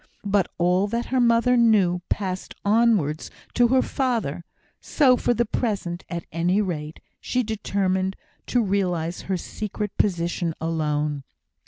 But all that her mother knew passed onwards to her father; so for the present, at any rate, she determined to realise her secret position alone.